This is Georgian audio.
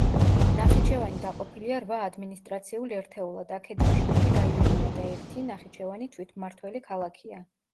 ნახიჩევანი დაყოფილია რვა ადმინისტრაციულ ერთეულად: აქედან შვიდი რაიონია და ერთი, ნახიჩევანი, თვითმმართველი ქალაქია.